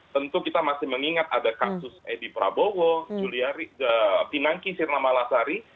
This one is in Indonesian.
tentu kita masih mengingat ada kasus edi prabowo juliari pinangki sirna malasari